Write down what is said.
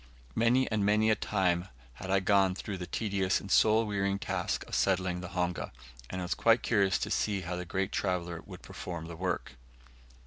Many and many a time had I gone through the tedious and soul wearying task of settling the honga, and I was quite curious to see how the great traveller would perform the work.